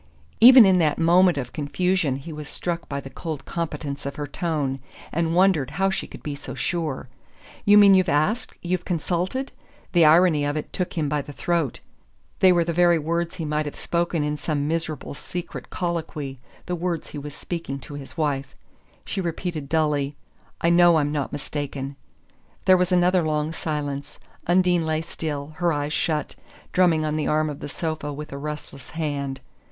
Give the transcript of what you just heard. Even in that moment of confusion he was struck by the cold competence of her tone, and wondered how she could be so sure. "You mean you've asked you've consulted ?" The irony of it took him by the throat. They were the very words he might have spoken in some miserable secret colloquy the words he was speaking to his wife! She repeated dully: "I know I'm not mistaken." There was another long silence. Undine lay still, her eyes shut, drumming on the arm of the sofa with a restless hand.